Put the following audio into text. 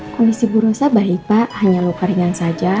kondisi bu rosa baik pak hanya luka ringan saja